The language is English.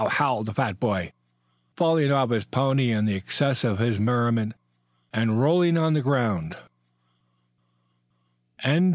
howled the fat boy, falling off his pony in the excess of his merriment and rolling on the ground.